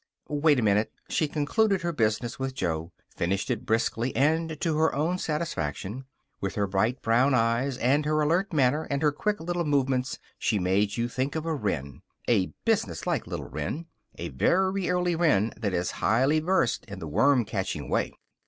"Wait a minute." She concluded her business with Joe; finished it briskly and to her own satisfaction. With her bright brown eyes and her alert manner and her quick little movements she made you think of a wren a businesslike little wren a very early wren that is highly versed in the worm catching way.